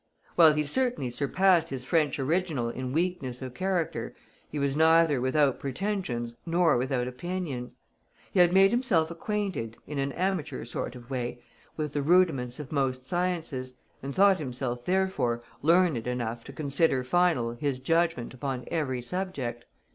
While he certainly surpassed his French original in weakness of character, he was neither without pretensions nor without opinions. He had made himself acquainted, in an amateur sort of way, with the rudiments of most sciences, and thought himself, therefore, learned enough to consider final his judgment upon every subject.